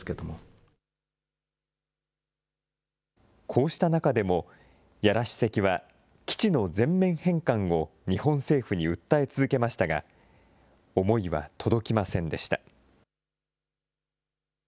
こうした中でも、屋良主席は基地の全面返還を日本政府に訴え続けましたが、思いは届きませんでした。